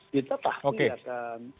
kita pasti akan